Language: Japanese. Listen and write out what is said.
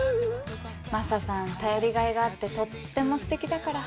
マサさん頼りがいがあってとってもすてきだから。